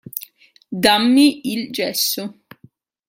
Dammi il gesso.